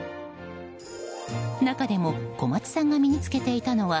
中でも小松さんが身に着けていたのは